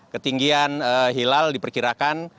ketinggian hilal diperkirakan